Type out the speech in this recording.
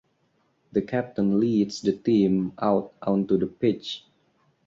The captain leads the team out onto the pitch.